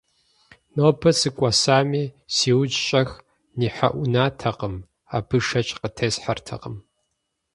Нобэ сыкӀуэсами, си ужь щӀэх нихьэнуӀатэкъым – абы шэч къытесхьэртэкъым.